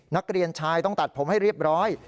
นักเรียนชายต้องตัดผมให้เรียบร้อย